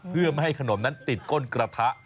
เพื่อไม่ให้ขนมนั้นติดก้นกระทะ